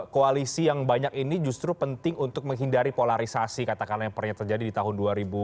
koalisi yang banyak ini justru penting untuk menghindari polarisasi katakanlah yang pernah terjadi di tahun dua ribu dua puluh